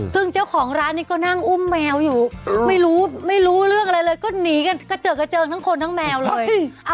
ซึ่งเจ้าของร้านนี้ก็นั่งอุ้มแมวอยู่ไม่รู้เรื่องอะไรเลย